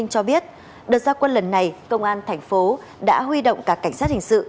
cho biết đợt ra quân lần này công an tp hcm đã huy động cả cảnh sát hình sự